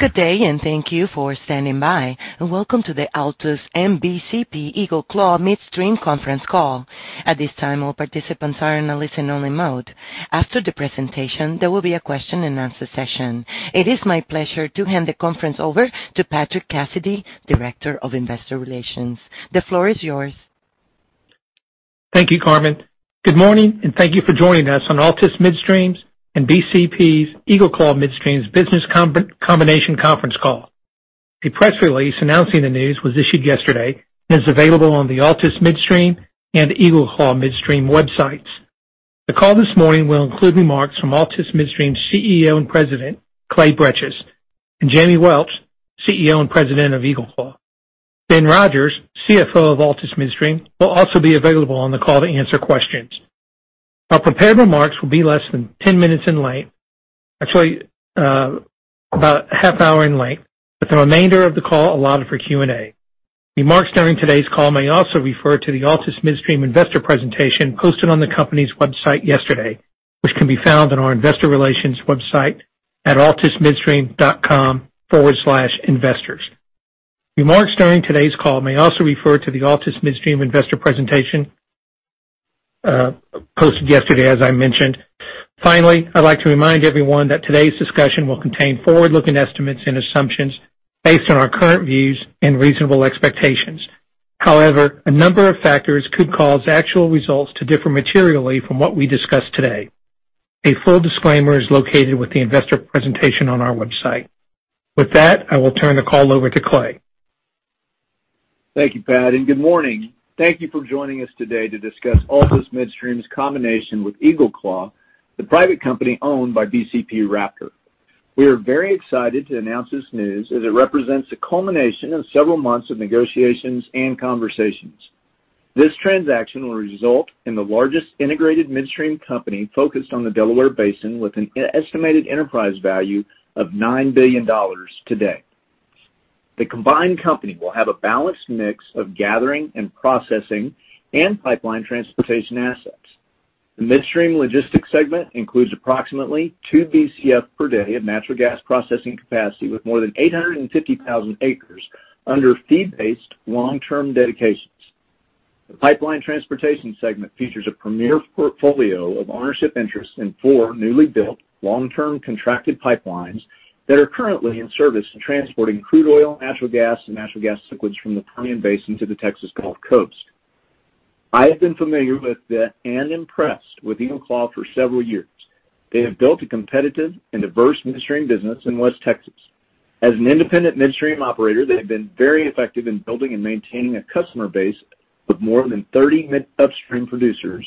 Good day. Thank you for standing by, and Welcome to the Altus and BCP EagleClaw Midstream conference call. At this time, all participants are in a listen-only mode. After the presentation, there will be a question-and-answer session. It is my pleasure to hand the conference over to Patrick Cassidy, Director of Investor Relations. The floor is yours. Thank you, Carmen. Good morning, and thank you for joining us on Altus Midstream's and BCP's EagleClaw Midstream's business combination conference call. A press release announcing the news was issued yesterday and is available on the Altus Midstream and EagleClaw Midstream websites. The call this morning will include remarks from Altus Midstream's CEO and President, Clay Bretches, and Jamie Welch, CEO and President of EagleClaw Midstream. Ben Rodgers, CFO of Altus Midstream, will also be available on the call to answer questions. Our prepared remarks will be less than 10 minutes in length. Actually, about a half hour in length, with the remainder of the call allotted for Q&A. Remarks during today's call may also refer to the Altus Midstream investor presentation posted on the company's website yesterday, which can be found on our investor relations website at altusmidstream.com/investors. Remarks during today's call may also refer to the Altus Midstream investor presentation, posted yesterday, as I mentioned. I'd like to remind everyone that today's discussion will contain forward-looking estimates and assumptions based on our current views and reasonable expectations. A number of factors could cause actual results to differ materially from what we discuss today. A full disclaimer is located with the investor presentation on our website. With that, I will turn the call over to Clay. Thank you, Pat, and good morning. Thank you for joining us today to discuss Altus Midstream's combination with EagleClaw, the private company owned by BCP Raptor. We are very excited to announce this news as it represents the culmination of several months of negotiations and conversations. This transaction will result in the largest integrated midstream company focused on the Delaware Basin with an estimated enterprise value of $9 billion today. The combined company will have a balanced mix of gathering and processing and Pipeline Transportation assets. The Midstream Logistics segment includes approximately 2 Bcf per day of natural gas processing capacity with more than 850,000 acres under fee-based long-term dedications. The Pipeline Transportation segment features a premier portfolio of ownership interests in four newly built, long-term contracted pipelines that are currently in service transporting crude oil, natural gas, and natural gas liquids from the Permian Basin to the Texas Gulf Coast. I have been familiar with and impressed with EagleClaw for several years. They have built a competitive and diverse midstream business in West Texas. As an independent midstream operator, they have been very effective in building and maintaining a customer base of more than 30 mid upstream producers,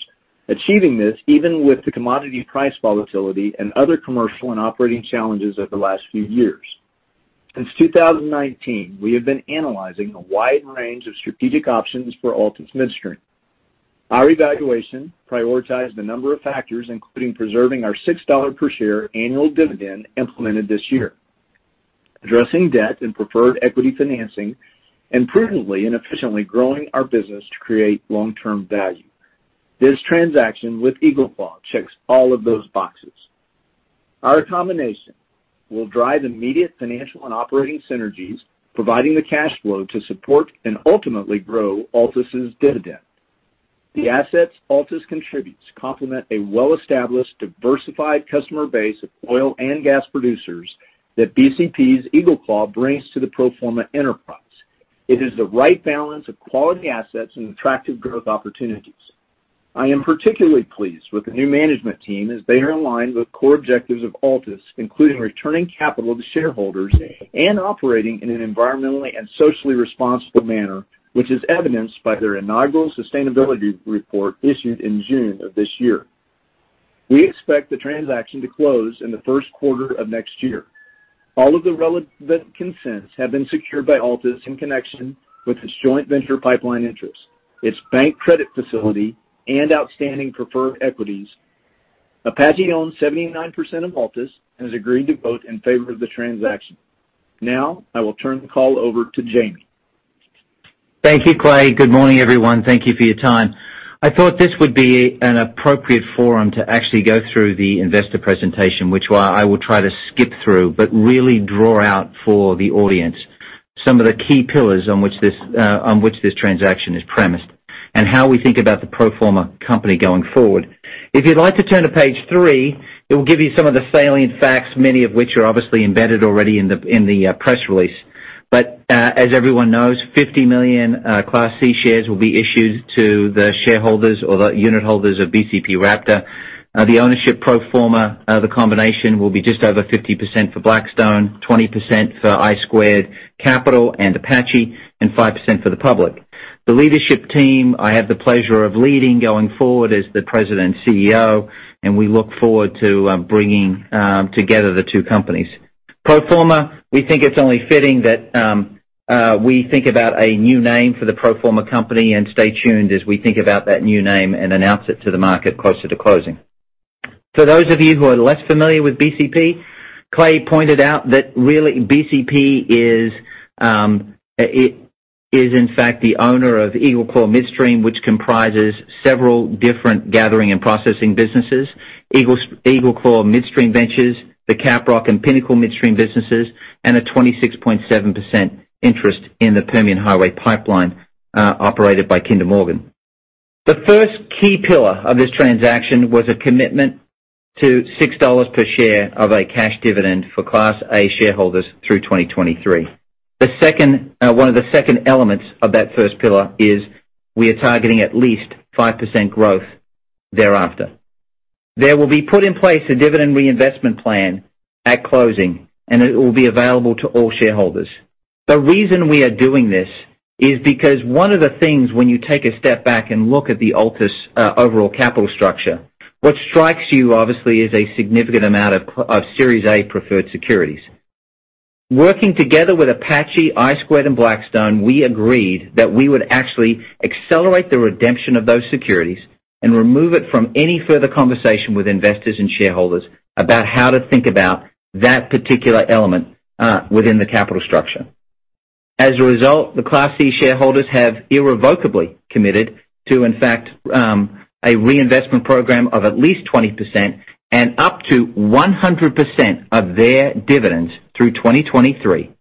achieving this even with the commodity price volatility and other commercial and operating challenges of the last few years. Since 2019, we have been analyzing a wide range of strategic options for Altus Midstream. Our evaluation prioritized a number of factors, including preserving our $6 per share annual dividend implemented this year, addressing debt and preferred equity financing, and prudently and efficiently growing our business to create long-term value. This transaction with EagleClaw checks all of those boxes. Our combination will drive immediate financial and operating synergies, providing the cash flow to support and ultimately grow Altus's dividend. The assets Altus contributes complement a well-established, diversified customer base of oil and gas producers that BCP's EagleClaw brings to the pro forma enterprise. It is the right balance of quality assets and attractive growth opportunities. I am particularly pleased with the new management team as they are aligned with core objectives of Altus, including returning capital to shareholders and operating in an environmentally and socially responsible manner, which is evidenced by their inaugural sustainability report issued in June of this year. We expect the transaction to close in the first quarter of next year. All of the relevant consents have been secured by Altus in connection with its joint venture pipeline interests, its bank credit facility, and outstanding preferred equities. Apache owns 79% of Altus and has agreed to vote in favor of the transaction. I will turn the call over to Jamie. Thank you, Clay. Good morning, everyone. Thank you for your time. I thought this would be an appropriate forum to actually go through the investor presentation, which I will try to skip through, but really draw out for the audience some of the key pillars on which this transaction is premised and how we think about the pro forma company going forward. If you'd like to turn to page 3, it will give you some of the salient facts, many of which are obviously embedded already in the press release. As everyone knows, 50 million Class C shares will be issued to the shareholders or the unitholders of BCP Raptor. The ownership pro forma of the combination will be just over 50% for Blackstone, 20% for I Squared Capital and Apache, and 5% for the public. The leadership team I have the pleasure of leading going forward as the President and CEO, and we look forward to bringing together the two companies. Pro forma, we think it's only fitting that we think about a new name for the pro forma company and stay tuned as we think about that new name and announce it to the market closer to closing. For those of you who are less familiar with BCP, Clay pointed out that really BCP Is in fact, the owner of EagleClaw Midstream, which comprises several different gathering and processing businesses, EagleClaw Midstream Ventures, the Caprock and Pinnacle midstream businesses, and a 26.7% interest in the Permian Highway Pipeline operated by Kinder Morgan. The first key pillar of this transaction was a commitment to $6 per share of a cash dividend for Class A shareholders through 2023. One of the second elements of that first pillar is we are targeting at least 5% growth thereafter. There will be put in place a dividend reinvestment plan at closing, and it will be available to all shareholders. The reason we are doing this is because one of the things, when you take a step back and look at the Altus overall capital structure, what strikes you, obviously, is a significant amount of Series A preferred securities. Working together with Apache Corporation, I Squared Capital, and Blackstone Energy Partners, we agreed that we would actually accelerate the redemption of those securities and remove it from any further conversation with investors and shareholders about how to think about that particular element within the capital structure. As a result, the Class C shareholders have irrevocably committed to, in fact, a reinvestment program of at least 20% and up to 100% of their dividends through 2023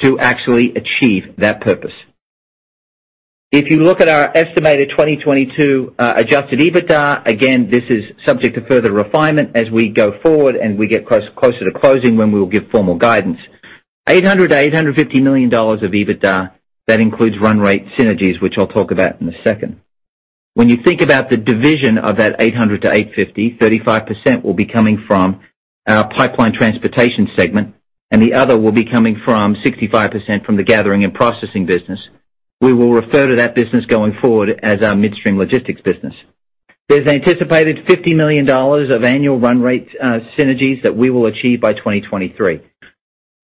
to actually achieve that purpose. If you look at our estimated 2022 adjusted EBITDA, again, this is subject to further refinement as we go forward and we get closer to closing, when we will give formal guidance. $800 million-$850 million of EBITDA, that includes run rate synergies, which I'll talk about in a second. When you think about the division of that 800-850, 35% will be coming from our Pipeline Transportation segment, and the other will be coming from 65% from the Gathering and Processing business. We will refer to that business going forward as our Midstream Logistics business. There's anticipated $50 million of annual run rate synergies that we will achieve by 2023.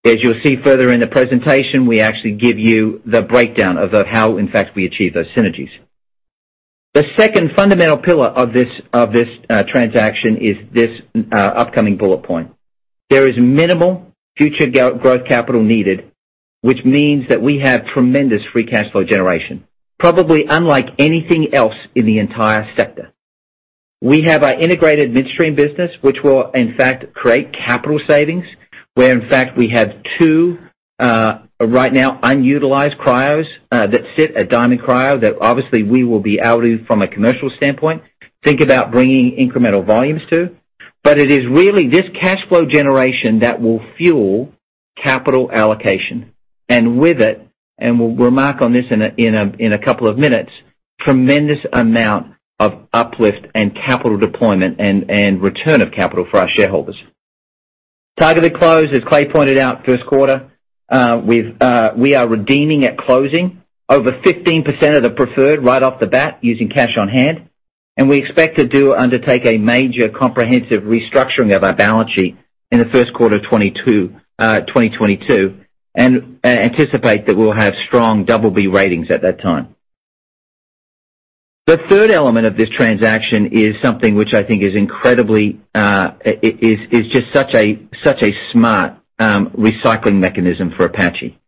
As you'll see further in the presentation, we actually give you the breakdown of how, in fact, we achieve those synergies. The second fundamental pillar of this transaction is this upcoming bullet point. There is minimal future growth capital needed, which means that we have tremendous free cash flow generation, probably unlike anything else in the entire sector. We have our integrated midstream business, which will in fact create capital savings, where in fact, we have two right now unutilized cryos that sit at Diamond Cryo that obviously we will be out of from a commercial standpoint, think about bringing incremental volumes too. It is really this cash flow generation that will fuel capital allocation, and with it, and we'll remark on this in a couple of minutes, tremendous amount of uplift in capital deployment and return of capital for our shareholders. Target at close, as Clay pointed out, first quarter. We are redeeming at closing over 15% of the preferred right off the bat using cash on hand, and we expect to undertake a major comprehensive restructuring of our balance sheet in the first quarter of 2022, and anticipate that we'll have strong BB ratings at that time. The third element of this transaction is something which I think is just such a smart recycling mechanism for Apache.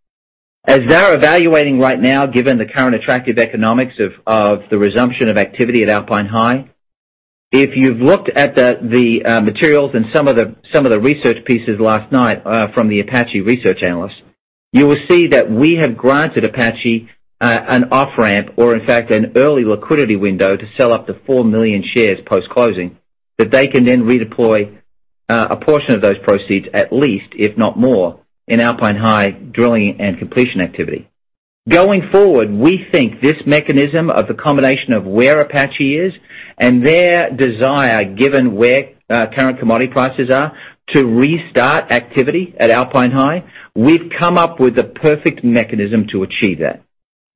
As they're evaluating right now, given the current attractive economics of the resumption of activity at Alpine High, if you've looked at the materials and some of the research pieces last night from the Apache research analysts, you will see that we have granted Apache an off-ramp or in fact, an early liquidity window to sell up to 4 million shares post-closing, that they can then redeploy a portion of those proceeds, at least, if not more, in Alpine High drilling and completion activity. Going forward, we think this mechanism of the combination of where Apache is and their desire, given where current commodity prices are, to restart activity at Alpine High, we've come up with the perfect mechanism to achieve that.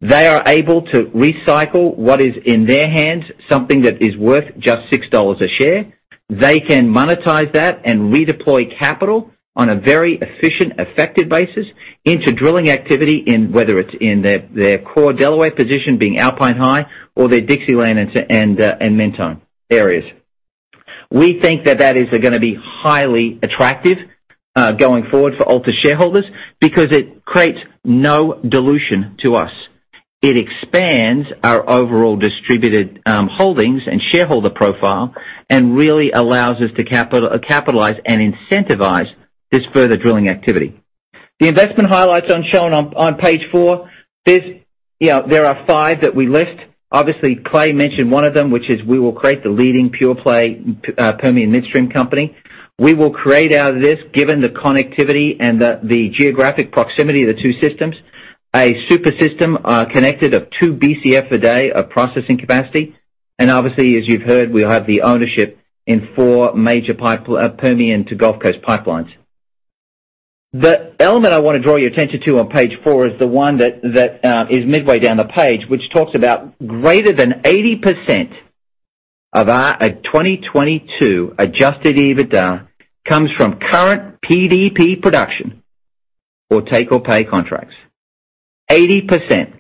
They are able to recycle what is in their hands, something that is worth just $6 a share. They can monetize that and redeploy capital on a very efficient, effective basis into drilling activity, whether it's in their core Delaware position being Alpine High or their Dixieland and Mentone areas. We think that is going to be highly attractive going forward for Altus shareholders because it creates no dilution to us. It expands our overall distributed holdings and shareholder profile and really allows us to capitalize and incentivize this further drilling activity. The investment highlights shown on page four, there are five that we list. Obviously, Clay Bretches mentioned one of them, which is we will create the leading pure-play Permian midstream company. We will create out of this, given the connectivity and the geographic proximity of the two systems, a super system connected of 2 Bcf a day of processing capacity. Obviously, as you've heard, we have the ownership in four major Permian to Gulf Coast pipelines. The element I want to draw your attention to on page four is the one that is midway down the page, which talks about greater than 80% of our 2022 adjusted EBITDA comes from current PDP production or take-or-pay contracts. 80%.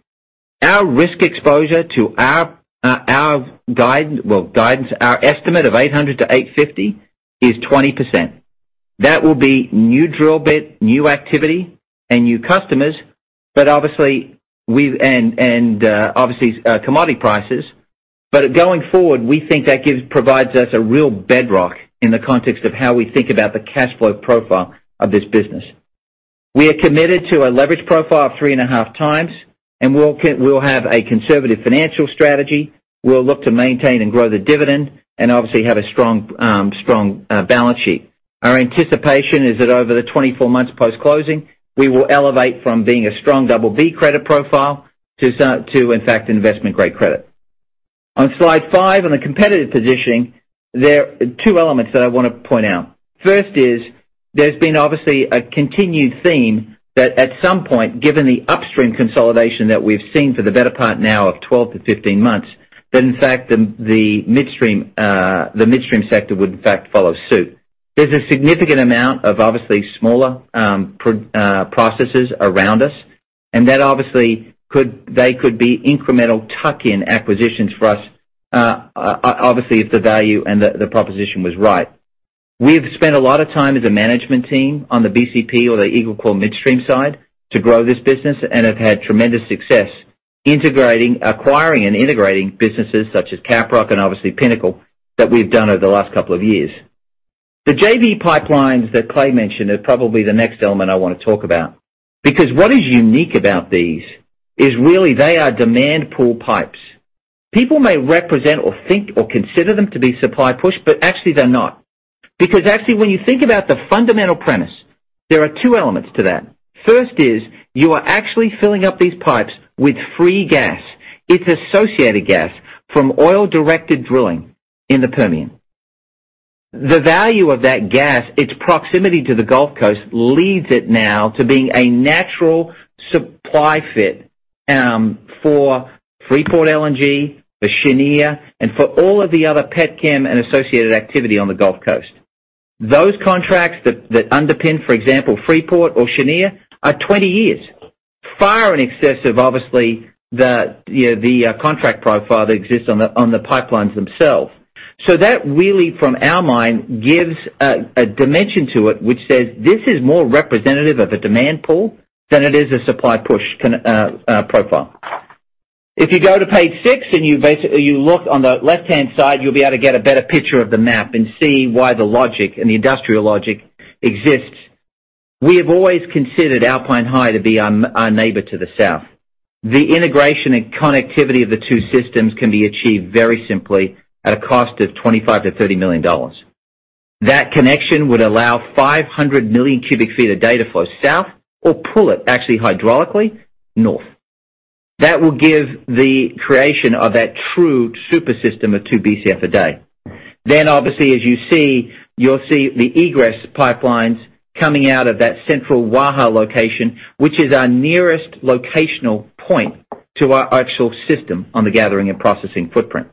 Our risk exposure to our estimate of 800-850 is 20%. That will be new drill bit, new activity, and new customers. Obviously, commodity prices. Going forward, we think that provides us a real bedrock in the context of how we think about the cash flow profile of this business. We are committed to a leverage profile of 3.5x. We will have a conservative financial strategy. We will look to maintain and grow the dividend. Obviously, have a strong balance sheet. Our anticipation is that over the 24 months post-closing, we will elevate from being a strong BB credit profile, to, in fact, investment-grade credit. On slide five, on the competitive positioning, there are two elements that I want to point out. First is there's been obviously a continued theme that at some point, given the upstream consolidation that we've seen for the better part now of 12-15 months, that, in fact, the midstream sector would, in fact, follow suit. There's a significant amount of obviously smaller processes around us, and they could be incremental tuck-in acquisitions for us, obviously, if the value and the proposition was right. We've spent a lot of time as a management team on the BCP or the EagleClaw Midstream side to grow this business, and have had tremendous success acquiring and integrating businesses such as Caprock and obviously Pinnacle, that we've done over the last couple of years. The JV pipelines that Clay Bretches mentioned are probably the next element I want to talk about, because what is unique about these is really they are demand pull pipes. People may represent or think or consider them to be supply push, but actually, they're not. Because actually, when you think about the fundamental premise, there are two elements to that. First is you are actually filling up these pipes with free gas. It's associated gas from oil-directed drilling in the Permian. The value of that gas, its proximity to the Gulf Coast leads it now to being a natural supply fit for Freeport LNG, for Cheniere, and for all of the other petchem and associated activity on the Gulf Coast. Those contracts that underpin, for example, Freeport or Cheniere, are 20 years, far in excess of, obviously, the contract profile that exists on the pipelines themselves. That really, from our mind, gives a dimension to it which says this is more representative of a demand pull than it is a supply push profile. If you go to page six and you look on the left-hand side, you'll be able to get a better picture of the map and see why the logic and the industrial logic exists. We have always considered Alpine High to be our neighbor to the south. The integration and connectivity of the two systems can be achieved very simply at a cost of $25 million-$30 million. That connection would allow 500 million cu ft of data flow south or pull it, actually, hydraulically, north. That will give the creation of that true super system of 2 Bcf a day. Obviously, as you see, you'll see the egress pipelines coming out of that central Waha location, which is our nearest locational point to our actual system on the gathering and processing footprint.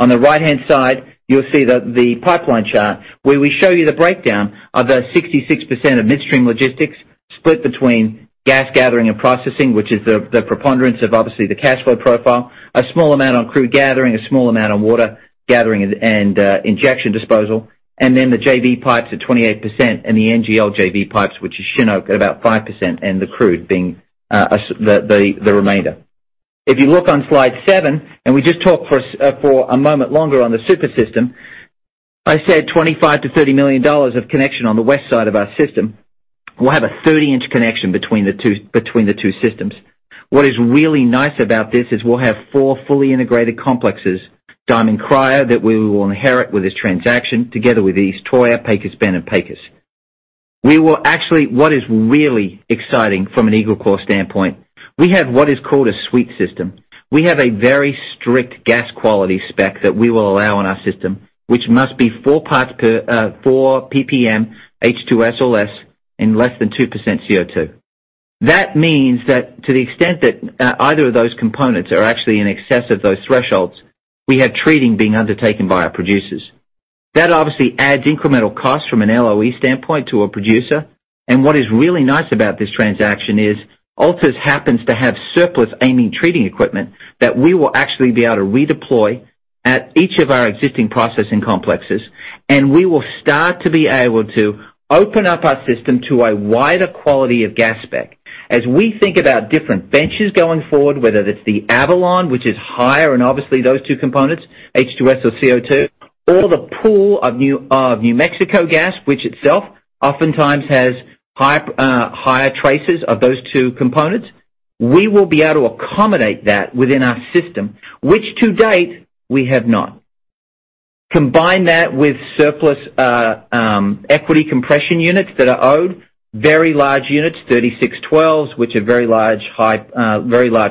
On the right-hand side, you'll see the pipeline chart where we show you the breakdown of the 66% of Midstream Logistics split between gas gathering and processing, which is the preponderance of obviously the cash flow profile. A small amount on crude gathering, a small amount on water gathering and injection disposal, and then the JV pipes at 28%, and the NGL JV pipes, which is Shin Oak, at about 5%, and the crude being the remainder. If you look on slide seven we just talk for a moment longer on the super system. I said $25 million-$30 million of connection on the west side of our system. We'll have a 30-inch connection between the two systems. What is really nice about this is we'll have four fully integrated complexes, Diamond Cryo, that we will inherit with this transaction, together with East Toyah, Pecos Bend, and Pecos. What is really exciting from an EagleClaw standpoint, we have what is called a sweet system. We have a very strict gas quality spec that we will allow on our system, which must be 4 ppm H2S or less in less than 2% CO2. That means that to the extent that either of those components are actually in excess of those thresholds, we have treating being undertaken by our producers. That obviously adds incremental costs from an LOE standpoint to a producer. What is really nice about this transaction is Altus happens to have surplus amine treating equipment that we will actually be able to redeploy at each of our existing processing complexes, and we will start to be able to open up our system to a wider quality of gas specification. As we think about different benches going forward, whether that's the Avalon Shale, which is higher in obviously those two components, H2S or CO2, or the pool of New Mexico gas, which itself oftentimes has higher traces of those two components, we will be able to accommodate that within our system, which to date, we have not. Combine that with surplus equity compression units that are owned, very large units, Cat 3612, which are very large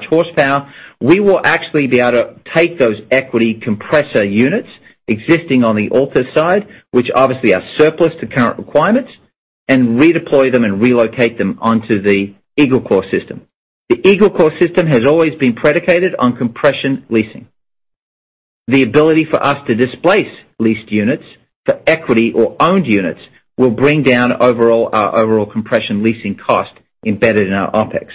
horsepower. We will actually be able to take those equity compressor units existing on the Altus side, which obviously are surplus to current requirements, and redeploy them and relocate them onto the EagleClaw system. The EagleClaw system has always been predicated on compression leasing. The ability for us to displace leased units for equity or owned units will bring down our overall compression leasing cost embedded in our OpEx.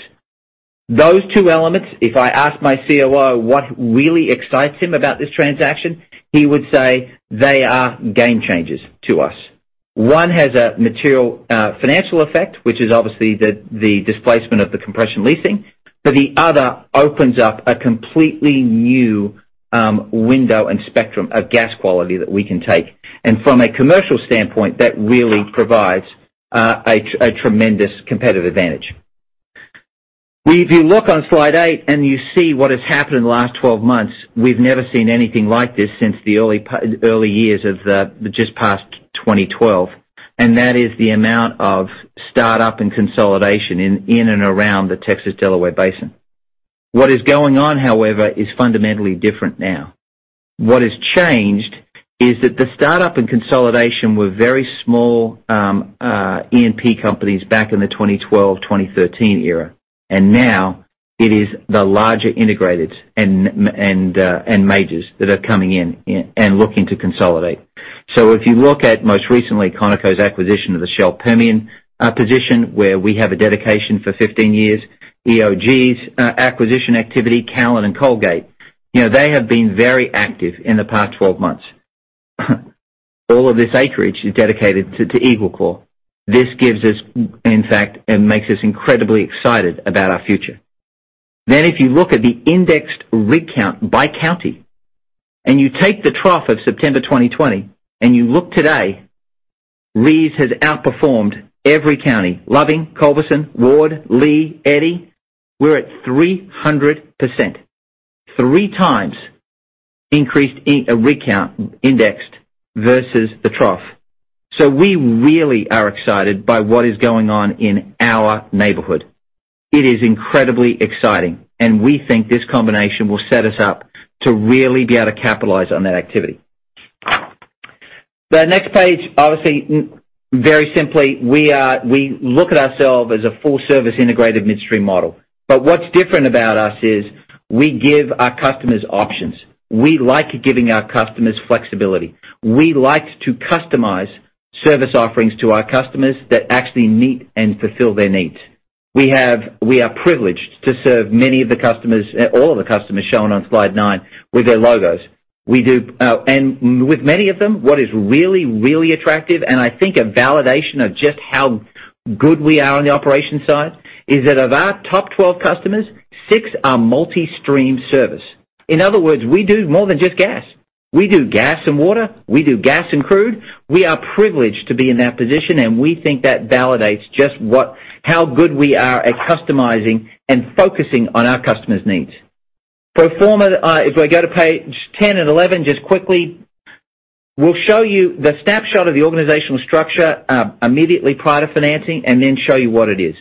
Those two elements, if I ask my COO what really excites him about this transaction, he would say they are game changers to us. One has a material financial effect, which is obviously the displacement of the compression leasing, the other opens up a completely new window and spectrum of gas quality that we can take. From a commercial standpoint, that really provides a tremendous competitive advantage. If you look on slide eight and you see what has happened in the last 12 months, we've never seen anything like this since the early years of the just past 2012, that is the amount of startup and consolidation in and around the Texas Delaware Basin. What is going on, however, is fundamentally different now. What has changed is that the startup and consolidation were very small E&P companies back in the 2012-2013 era, now it is the larger integrated and majors that are coming in and looking to consolidate. If you look at most recently Conoco's acquisition of the Shell Permian position, where we have a dedication for 15 years, EOG's acquisition activity, Callon and Colgate, they have been very active in the past 12 months. All of this acreage is dedicated to EagleClaw. This gives us, in fact, and makes us incredibly excited about our future. If you look at the indexed rig count by county, and you take the trough of September 2020, and you look today, Reeves has outperformed every county. Loving, Culberson, Ward, Lea, Eddy, we're at 300%, 3x increased rig count indexed versus the trough. We really are excited by what is going on in our neighborhood. It is incredibly exciting, and we think this combination will set us up to really be able to capitalize on that activity. The next page, obviously, very simply, we look at ourselves as a full-service integrated midstream model. What's different about us is we give our customers options. We like giving our customers flexibility. We like to customize service offerings to our customers that actually meet and fulfill their needs. We are privileged to serve many of the customers, all of the customers shown on slide nine with their logos. With many of them, what is really, really attractive, and I think a validation of just how good we are on the operations side, is that of our top 12 customers, six are multi-stream service. In other words, we do more than just gas. We do gas and water. We do gas and crude. We are privileged to be in that position, and we think that validates just how good we are at customizing and focusing on our customers' needs. If we go to page 10 and 11, just quickly, we'll show you the snapshot of the organizational structure immediately prior to financing and then show you what it is.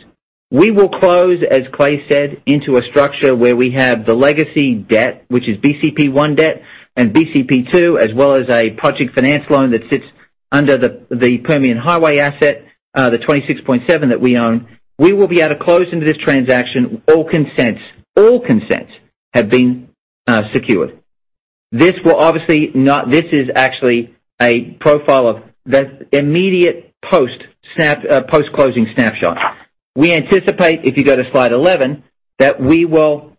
We will close, as Clay said, into a structure where we have the legacy debt, which is BCP1 debt and BCP2, as well as a project finance loan that sits under the Permian Highway asset, the 26.7% that we own. We will be able to close into this transaction. All consents have been secured. This is actually a profile of the immediate post-closing snapshot. We anticipate, if you go to slide 11, that we will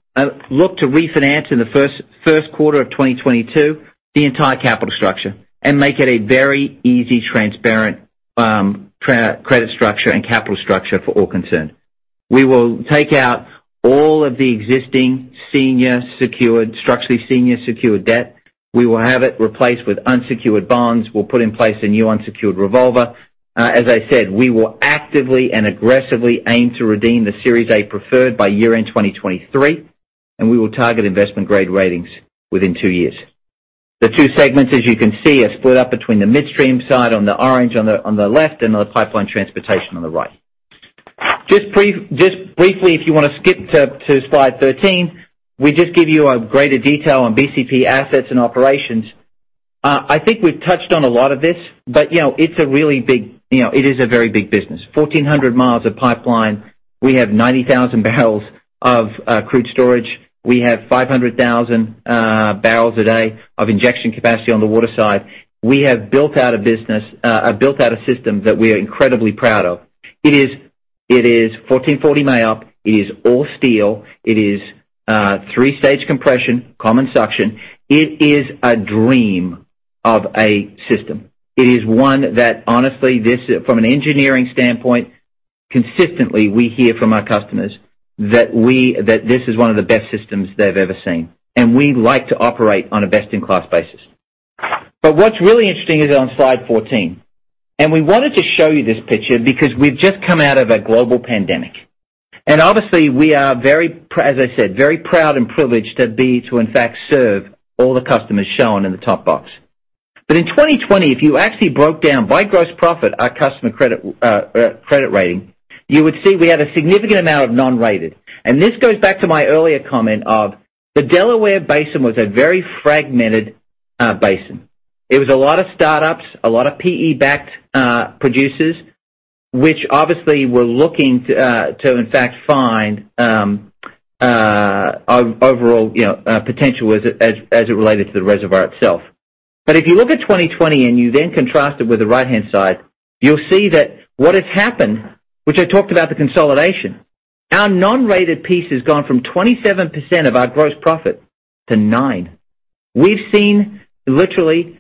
look to refinance in the first quarter of 2022, the entire capital structure and make it a very easy, transparent credit structure and capital structure for all concerned. We will take out all of the existing structurally senior secured debt. We will have it replaced with unsecured bonds. We'll put in place a new unsecured revolver. As I said, we will actively and aggressively aim to redeem the Series A preferred by year-end 2023, and we will target investment-grade ratings within two years. The two segments, as you can see, are split up between the Midstream side on the orange on the left and the Pipeline Transportation on the right. Just briefly, if you want to skip to slide 13, we just give you a greater detail on BCP assets and operations. I think we've touched on a lot of this. It is a very big business. 1,400 miles of pipeline. We have 90,000 bbl of crude storage. We have 500,000 bbl a day of injection capacity on the water side. We have built out a system that we are incredibly proud of. It is 1,440 MAOP. It is all steel. It is three-stage compression, common suction. It is a dream of a system. It is one that, honestly, from an engineering standpoint, consistently, we hear from our customers that this is one of the best systems they've ever seen, and we like to operate on a best-in-class basis. What's really interesting is on slide 14, and we wanted to show you this picture because we've just come out of a global pandemic. Obviously, we are, as I said, very proud and privileged to in fact, serve all the customers shown in the top box. In 2020, if you actually broke down by gross profit our customer credit rating, you would see we had a significant amount of non-rated. This goes back to my earlier comment of the Delaware Basin was a very fragmented basin. It was a lot of startups, a lot of PE-backed producers, which obviously were looking to, in fact, find overall potential as it related to the reservoir itself. If you look at 2020 and you then contrast it with the right-hand side, you'll see that what has happened, which I talked about the consolidation, our non-rated piece has gone from 27% of our gross profit to 9%. We've seen literally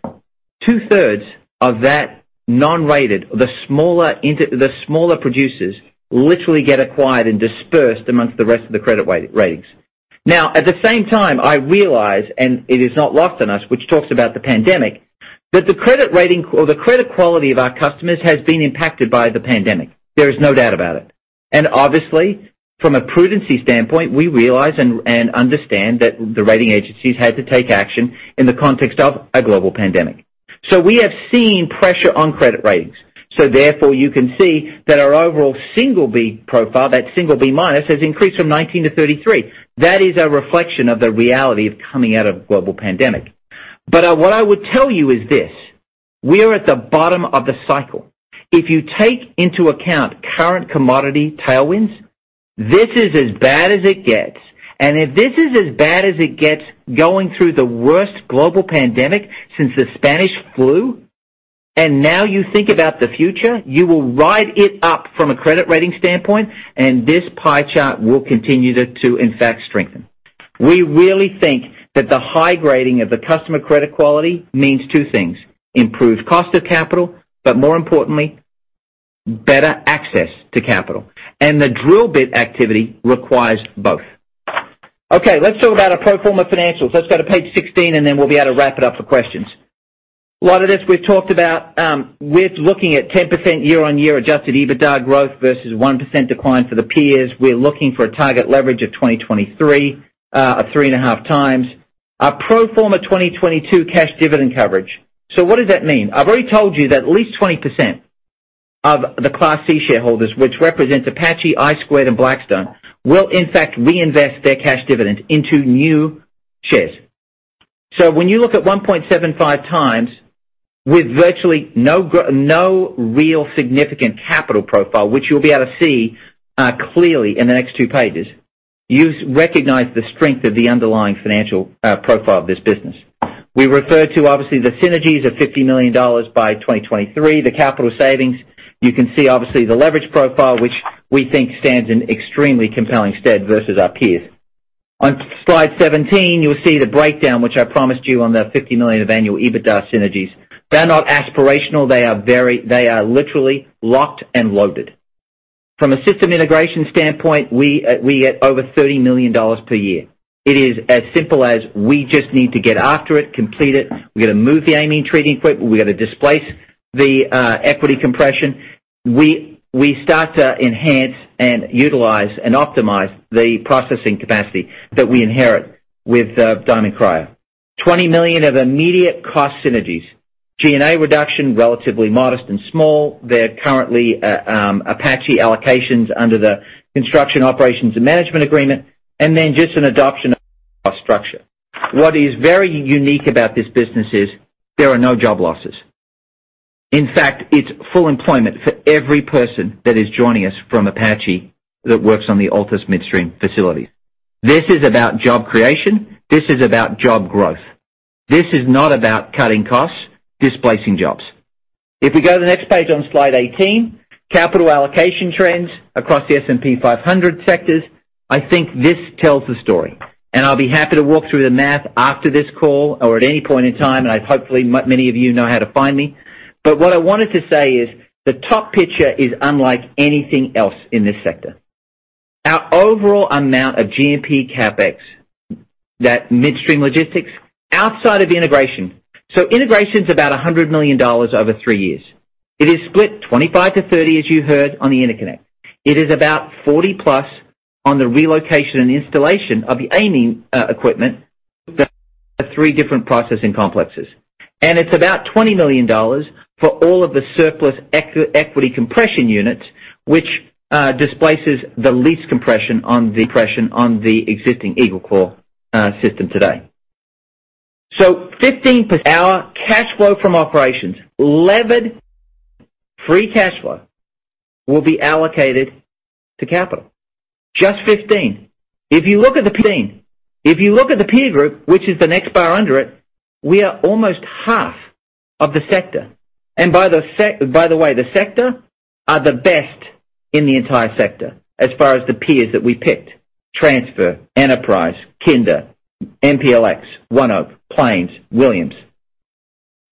2/3 of that non-rated, the smaller producers, literally get acquired and dispersed amongst the rest of the credit ratings. At the same time, I realize, and it is not lost on us, which talks about the pandemic, that the credit rating or the credit quality of our customers has been impacted by the pandemic. There is no doubt about it. Obviously, from a prudency standpoint, we realize and understand that the rating agencies had to take action in the context of a global pandemic. We have seen pressure on credit ratings. Therefore, you can see that our overall single B profile, that single B minus, has increased from 19-33. That is a reflection of the reality of coming out of a global pandemic. What I would tell you is this: We are at the bottom of the cycle. If you take into account current commodity tailwinds, this is as bad as it gets. If this is as bad as it gets, going through the worst global pandemic since the Spanish flu, and now you think about the future, you will ride it up from a credit rating standpoint, and this pie chart will continue to, in fact, strengthen. We really think that the high grading of the customer credit quality means two things: improved cost of capital, but more importantly, better access to capital. The drill bit activity requires both. Okay, let's talk about our pro forma financials. Let's go to page 16, then we'll be able to wrap it up for questions. A lot of this we've talked about. We're looking at 10% year-on-year adjusted EBITDA growth versus 1% decline for the peers. We're looking for a target leverage of 2023, of 3.5 times. Our pro forma 2022 cash dividend coverage. What does that mean? I've already told you that at least 20% of the Class C shareholders, which represents Apache, I Squared, and Blackstone, will in fact reinvest their cash dividends into new shares. When you look at 1.75x with virtually no real significant capital profile, which you'll be able to see clearly in the next two pages, you recognize the strength of the underlying financial profile of this business. We refer to, obviously, the synergies of $50 million by 2023, the capital savings. You can see, obviously, the leverage profile, which we think stands in extremely compelling stead versus our peers. On Slide 17, you'll see the breakdown, which I promised you on the $50 million of annual EBITDA synergies. They're not aspirational. They are literally locked and loaded. From a system integration standpoint, we get over $30 million per year. It is as simple as we just need to get after it, complete it. We got to move the amine treating equipment. We got to displace the equity compression. We start to enhance and utilize and optimize the processing capacity that we inherit with Diamond Cryo. $20 million of immediate cost synergies. G&A reduction, relatively modest and small. They're currently Apache allocations under the construction operations and management agreement, just an adoption of cost structure. What is very unique about this business is there are no job losses. In fact, it's full employment for every person that is joining us from Apache that works on the Altus Midstream facility. This is about job creation. This is about job growth. This is not about cutting costs, displacing jobs. If we go to the next page on Slide 18, capital allocation trends across the S&P 500 sectors. I think this tells the story. I'll be happy to walk through the math after this call or at any point in time, and hopefully many of you know how to find me. What I wanted to say is the top picture is unlike anything else in this sector. Our overall amount of G&P CapEx, that Midstream Logistics outside of the integration. Integration's about $100 million over three years. It is split 25-30, as you heard, on the interconnect. It is about 40+ on the relocation and installation of the amine equipment the three different processing complexes. It's about $20 million for all of the surplus equity compression units, which displaces the lease compression on the existing EagleClaw system today. 15% our cash flow from operations, levered free cash flow, will be allocated to capital. Just 15%. If you look at the peer group, which is the next bar under it, we are almost half of the sector. By the way, the sector are the best in the entire sector as far as the peers that we picked. Transport, Enterprise, Kinder, MPLX, ONEOK, Plains, Williams.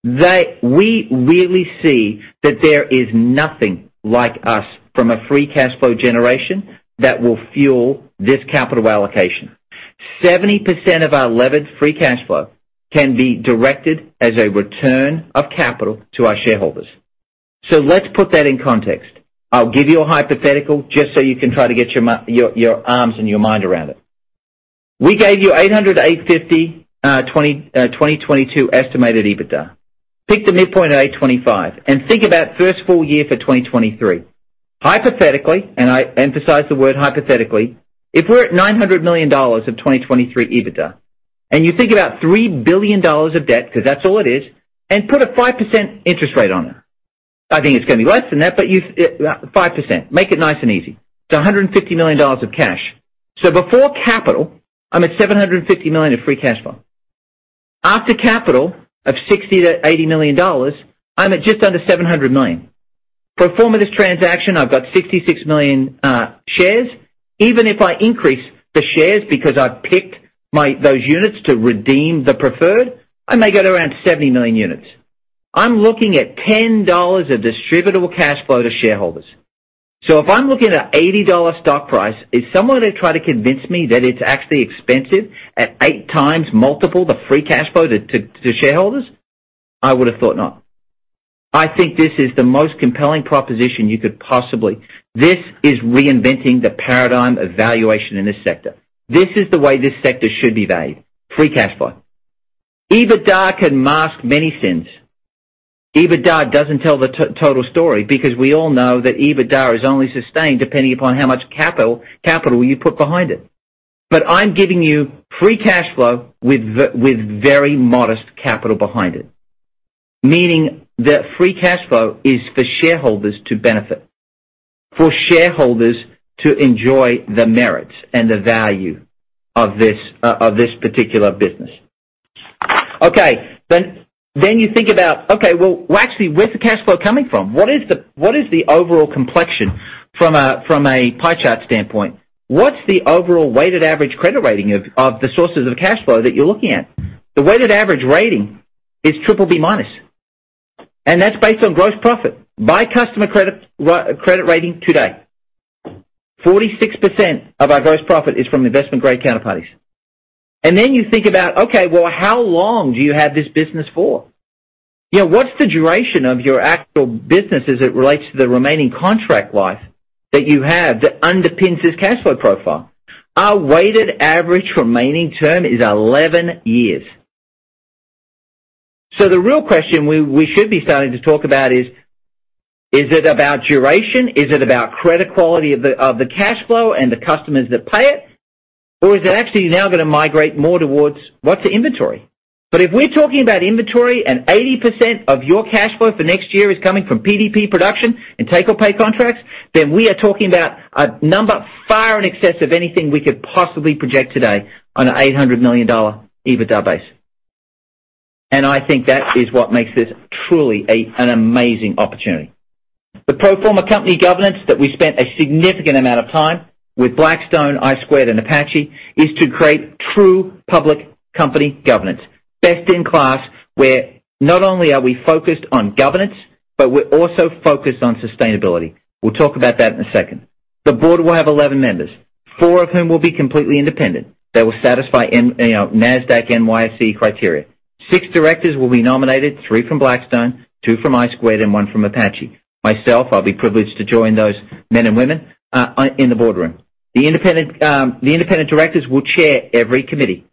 We really see that there is nothing like us from a free cash flow generation that will fuel this capital allocation. 70% of our levered free cash flow can be directed as a return of capital to our shareholders. Let's put that in context. I'll give you a hypothetical just so you can try to get your arms and your mind around it. We gave you $800 million-$850 million 2022 estimated EBITDA. Pick the midpoint at $825 million and think about first full year for 2023. Hypothetically, and I emphasize the word hypothetically, if we're at $900 million of 2023 EBITDA and you think about $3 billion of debt, because that's all it is, and put a 5% interest rate on it. I think it's going to be less than that, but 5%. Make it nice and easy. $150 million of cash. Before capital, I'm at $750 million of free cash flow. After capital of $60 million-$80 million, I'm at just under $700 million. Pro forma this transaction, I've got 66 million shares. Even if I increase the shares because I've picked those units to redeem the preferred, I may go to around 70 million units. I'm looking at $10 of distributable cash flow to shareholders. If I'm looking at a $80 stock price, is someone going to try to convince me that it's actually expensive at 8x multiple the free cash flow to shareholders? I would have thought not. I think this is the most compelling proposition. This is reinventing the paradigm of valuation in this sector. This is the way this sector should be valued. Free cash flow. EBITDA can mask many sins. EBITDA doesn't tell the total story because we all know that EBITDA is only sustained depending upon how much capital you put behind it. I'm giving you free cash flow with very modest capital behind it, meaning the free cash flow is for shareholders to benefit, for shareholders to enjoy the merits and the value of this particular business. Okay. You think about, okay, well, actually, where's the cash flow coming from? What is the overall complexion from a pie chart standpoint? What's the overall weighted average credit rating of the sources of cash flow that you're looking at? The weighted average rating is triple B minus, and that's based on gross profit. By customer credit rating today, 46% of our gross profit is from investment-grade counterparties. Then you think about, okay, well, how long do you have this business for? What's the duration of your actual business as it relates to the remaining contract life that you have that underpins this cash flow profile? Our weighted average remaining term is 11 years. The real question we should be starting to talk about is it about duration? Is it about credit quality of the cash flow and the customers that pay it? Is it actually now going to migrate more towards what's the inventory? If we're talking about inventory and 80% of your cash flow for next year is coming from PDP production and take-or-pay contracts, then we are talking about a number far in excess of anything we could possibly project today on an $800 million EBITDA base. I think that is what makes this truly an amazing opportunity. The pro forma company governance that we spent a significant amount of time with Blackstone, I Squared, and Apache is to create true public company governance, best in class, where not only are we focused on governance, but we're also focused on sustainability. We'll talk about that in a second. The board will have 11 members, four of whom will be completely independent. They will satisfy NASDAQ, NYSE criteria. Six directors will be nominated, three from Blackstone, two from I Squared, and one from Apache. Myself, I'll be privileged to join those men and women in the boardroom. The independent directors will chair every committee.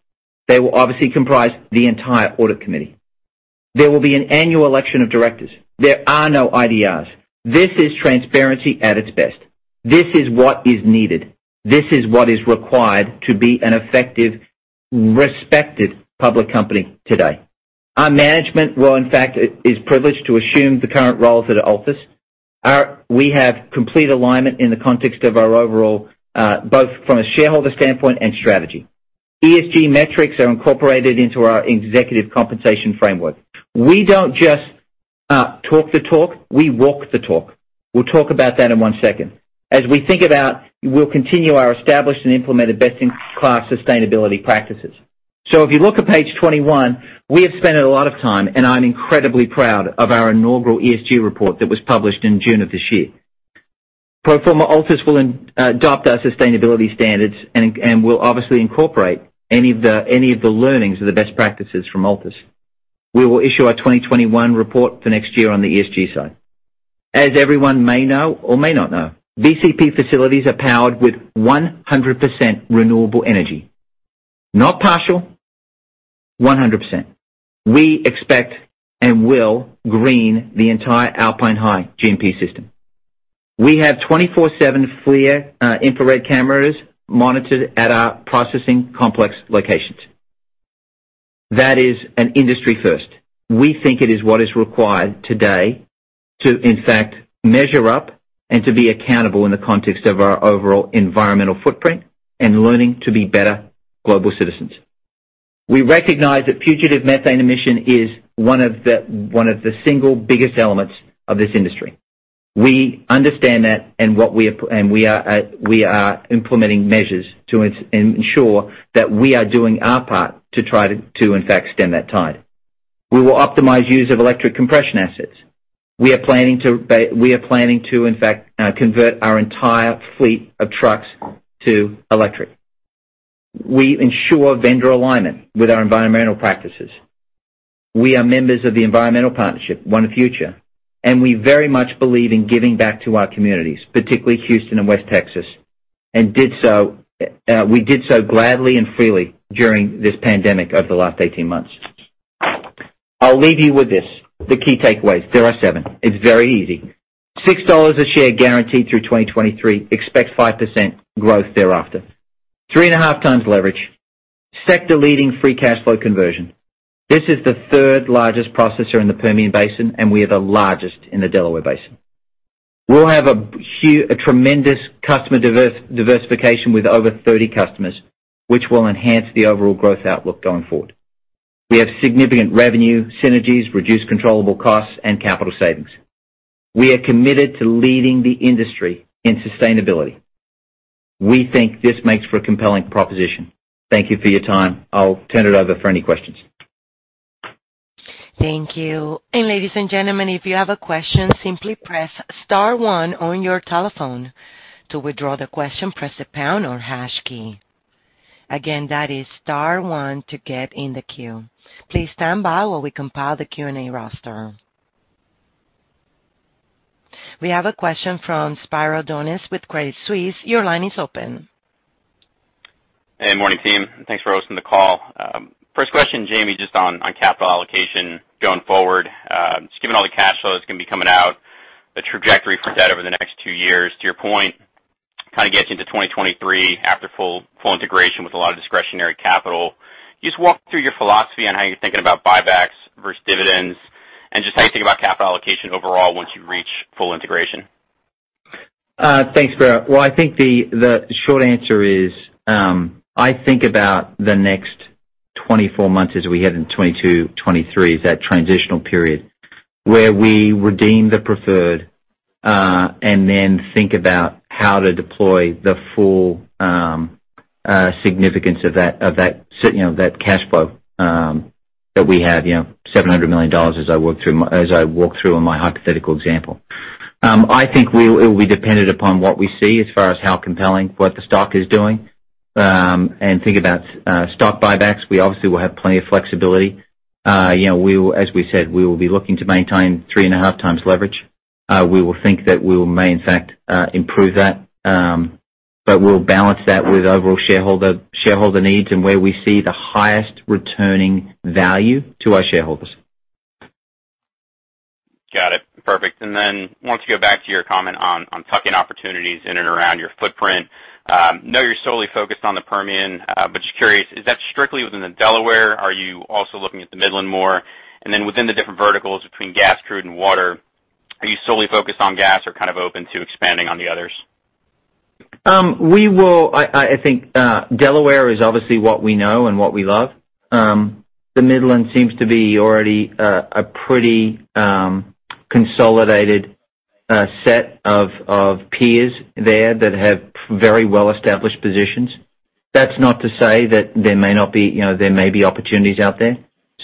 They will obviously comprise the entire audit committee. There will be an annual election of directors. There are no IDRs. This is transparency at its best. This is what is needed. This is what is required to be an effective, respected public company today. Our management, well, in fact, is privileged to assume the current roles at Altus. We have complete alignment in the context of our overall, both from a shareholder standpoint and strategy. ESG metrics are incorporated into our executive compensation framework. We don't just talk the talk, we walk the talk. We'll talk about that in 1 second. We'll continue our established and implemented best-in-class sustainability practices. If you look at page 21, we have spent a lot of time, and I'm incredibly proud of our inaugural ESG report that was published in June of this year. Pro forma Altus will adopt our sustainability standards and will obviously incorporate any of the learnings of the best practices from Altus. We will issue our 2021 report for next year on the ESG side. As everyone may know or may not know, BCP facilities are powered with 100% renewable energy. Not partial, 100%. We expect and will green the entire Alpine High G&P system. We have 24/7 FLIR infrared cameras monitored at our processing complex locations. That is an industry first. We think it is what is required today to, in fact, measure up and to be accountable in the context of our overall environmental footprint and learning to be better global citizens. We recognize that fugitive methane emission is one of the single biggest elements of this industry. We understand that, and we are implementing measures to ensure that we are doing our part to try to, in fact, stem that tide. We will optimize use of electric compression assets. We are planning to, in fact, convert our entire fleet of trucks to electric. We ensure vendor alignment with our environmental practices. We are members of the environmental partnership, ONE Future, and we very much believe in giving back to our communities, particularly Houston and West Texas, and we did so gladly and freely during this pandemic over the last 18 months. I'll leave you with this, the key takeaways. There are seven. It's very easy. $6 a share guaranteed through 2023. Expect 5% growth thereafter. 3.5x leverage. Sector-leading free cash flow conversion. This is the third-largest processor in the Permian Basin, and we are the largest in the Delaware Basin. We'll have a tremendous customer diversification with over 30 customers, which will enhance the overall growth outlook going forward. We have significant revenue synergies, reduced controllable costs, and capital savings. We are committed to leading the industry in sustainability. We think this makes for a compelling proposition. Thank you for your time. I'll turn it over for any questions. Thank you. Ladies and gentlemen, if you have a question, simply press star one on your telephone. To withdraw the question, press the pound or hash key. Again, that is star one to get in the queue. Please stand by while we compile the Q&A roster. We have a question from Spiro Dounis with Credit Suisse. Your line is open. Hey, morning team. Thanks for hosting the call. First question, Jamie, just on capital allocation going forward. Just given all the cash flow that's going to be coming out, the trajectory for debt over the next two years, to your point, gets you into 2023 after full integration with a lot of discretionary capital. Just walk through your philosophy on how you're thinking about buybacks versus dividends, and just how you think about capital allocation overall once you reach full integration. Thanks, Spiro. I think the short answer is, I think about the next 24 months as we head into 2022, 2023 is that transitional period where we redeem the preferred, and then think about how to deploy the full significance of that cash flow that we have, $700 million as I walked through in my hypothetical example. I think it will be dependent upon what we see as far as how compelling, what the stock is doing, and think about stock buybacks. We obviously will have plenty of flexibility. As we said, we will be looking to maintain 3.5x leverage. We will think that we will, may in fact, improve that. We'll balance that with overall shareholder needs and where we see the highest returning value to our shareholders. Got it. Perfect. Then wanted to go back to your comment on tuck-in opportunities in and around your footprint. Know you're solely focused on the Permian, but just curious, is that strictly within the Delaware? Are you also looking at the Midland more? Then within the different verticals between gas, crude, and water, are you solely focused on gas or kind of open to expanding on the others? I think Delaware is obviously what we know and what we love. The Midland seems to be already a pretty consolidated set of peers there that have very well-established positions. That's not to say that there may be opportunities out there.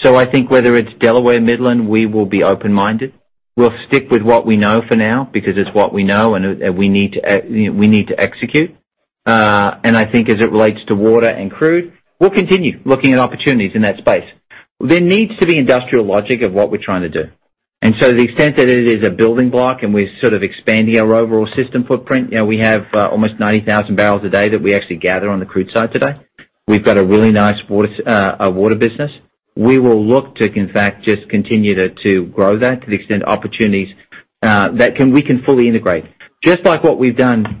I think whether it's Delaware or Midland, we will be open-minded. We'll stick with what we know for now, because it's what we know and we need to execute. I think as it relates to water and crude, we'll continue looking at opportunities in that space. There needs to be industrial logic of what we're trying to do. To the extent that it is a building block and we're sort of expanding our overall system footprint, we have almost 90,000 bbl a day that we actually gather on the crude side today. We've got a really nice water business. We will look to, in fact, just continue to grow that to the extent opportunities that we can fully integrate. Just like what we've done,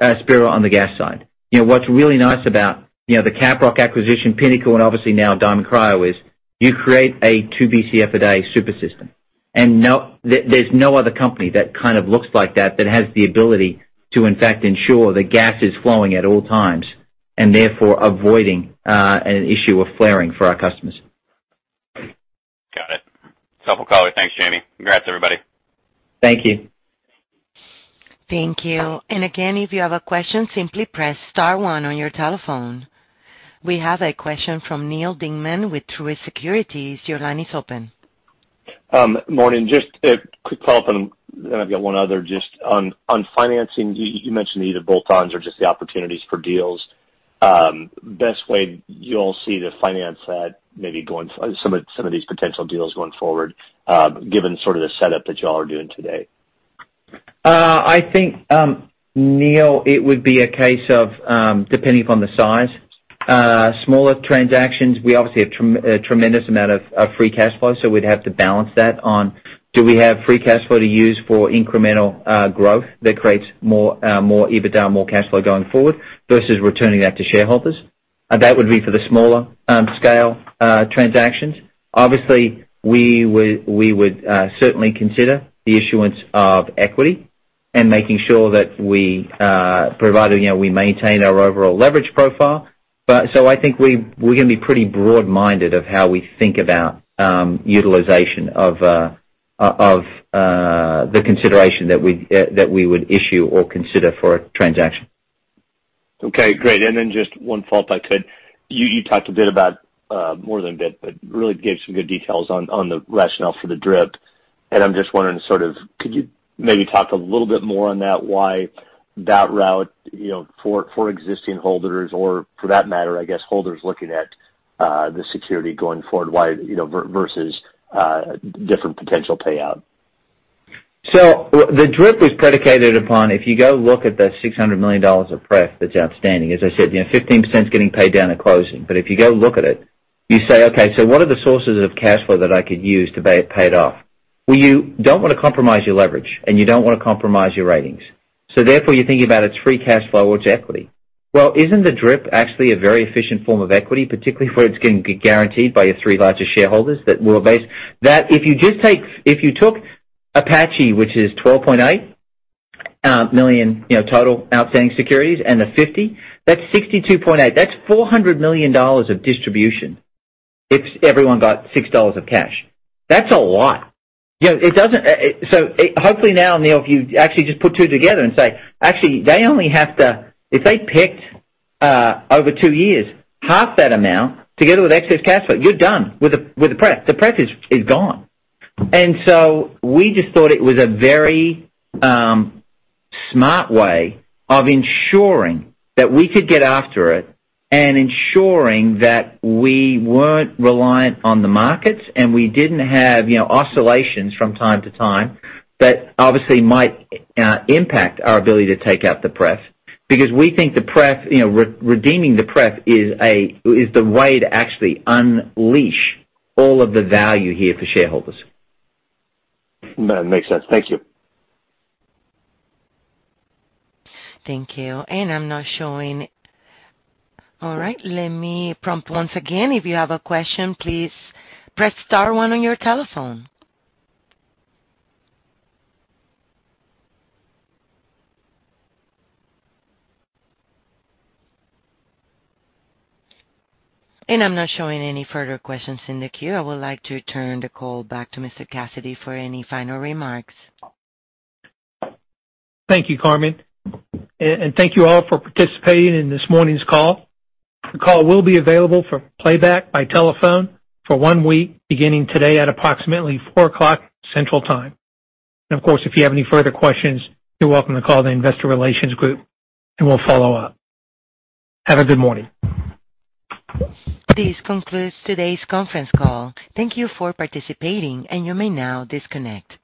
Spiro, on the gas side. What's really nice about the Caprock acquisition, Pinnacle, and obviously now Diamond Cryo is you create a 2 Bcf a day super system. There's no other company that kind of looks like that has the ability to, in fact, ensure that gas is flowing at all times, and therefore avoiding an issue of flaring for our customers. Got it. Self-caller. Thanks, Jamie. Congrats, everybody. Thank you. Thank you. Again, if you have a question, simply press star 1 on your telephone. We have a question from Neal Dingmann with Truist Securities. Your line is open. Morning. Just a quick follow-up, and then I've got one other just on financing. You mentioned the bolt-ons or just the opportunities for deals. Best way you all see to finance that, maybe some of these potential deals going forward, given sort of the setup that you all are doing today? I think, Neal, it would be a case of depending upon the size. Smaller transactions, we obviously have a tremendous amount of free cash flow, so we'd have to balance that on, do we have free cash flow to use for incremental growth that creates more EBITDA and more cash flow going forward versus returning that to shareholders? That would be for the smaller scale transactions. Obviously, we would certainly consider the issuance of equity and making sure that we maintain our overall leverage profile. I think we're going to be pretty broad-minded of how we think about utilization of the consideration that we would issue or consider for a transaction. Okay, great. Just one follow-up, if I could. You talked a bit about, more than a bit, but really gave some good details on the rationale for the DRIP. I'm just wondering, could you maybe talk a little bit more on that, why that route for existing holders or for that matter, I guess holders looking at the security going forward versus different potential payout? The DRIP was predicated upon if you go look at the $600 million of pref that's outstanding, as I said, 15% is getting paid down at closing. If you go look at it, you say, "Okay, what are the sources of cash flow that I could use to pay it off?" Well, you don't want to compromise your leverage, and you don't want to compromise your ratings. Therefore, you're thinking about it's free cash flow or it's equity. Well, isn't the DRIP actually a very efficient form of equity, particularly where it's guaranteed by your three largest shareholders that we're based? That if you took Apache, which is 12.8 million total outstanding securities, and the 50, that's 62.8. That's $400 million of distribution if everyone got $6 of cash. That's a lot. Hopefully now, Neal, if you actually just put two together and say, actually, if they picked over two years, half that amount together with excess cash flow, you're done with the pref. The preferred is gone. We just thought it was a very smart way of ensuring that we could get after it and ensuring that we weren't reliant on the markets and we didn't have oscillations from time to time that obviously might impact our ability to take out the pref. We think redeeming the preferred is the way to actually unleash all of the value here for shareholders. That makes sense. Thank you. Thank you. I'm not showing. All right. Let me prompt once again. If you have a question, please press star one on your telephone. I'm not showing any further questions in the queue. I would like to turn the call back to Mr. Cassidy for any final remarks. Thank you, Carmen. Thank you all for participating in this morning's call. The call will be available for playback by telephone for one week, beginning today at approximately 4:00 P.M. Central Time. Of course, if you have any further questions, you're welcome to call the investor relations group and we'll follow up. Have a good morning. This concludes today's conference call. Thank you for participating, and you may now disconnect.